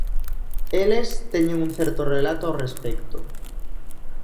Eles teñen un certo relato ao respecto.